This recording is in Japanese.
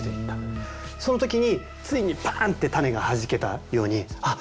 その時についにパーンってたねがはじけたようにあっ！